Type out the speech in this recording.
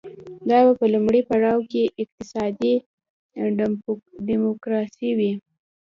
دا به په لومړي پړاو کې اقتصادي ډیموکراسي وي.